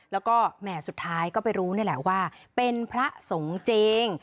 แล้วก็แหม่สุดท้ายก็ไปรู้นี่แหละว่าเป็นพระสงฆ์จริง